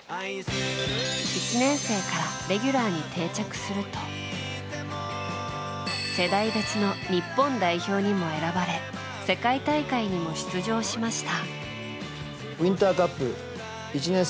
１年生からレギュラーに定着すると世代別の日本代表にも選ばれ世界大会にも出場しました。